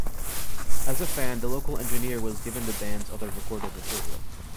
As a fan the local engineer was given the band's other recorded material.